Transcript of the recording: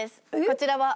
こちらは。